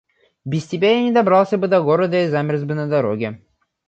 Без тебя я не добрался бы до города и замерз бы на дороге».